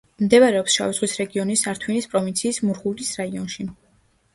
მდებარეობს შავი ზღვის რეგიონის ართვინის პროვინციის მურღულის რაიონში.